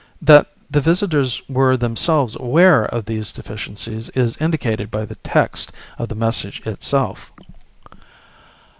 That the visitors were themselves aware of these deficiencies is indicated by the text of the message itself.